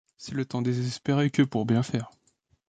C'est le temps désespéré que pour bien faire.